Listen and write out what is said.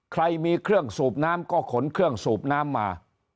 ใครมีเครื่องสูบน้ำก็ขนเครื่องสูบน้ำมา